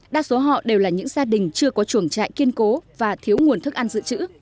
đa số họ đều là những gia đình chưa có chuồng trại kiên cố và thiếu nguồn thức ăn dự trữ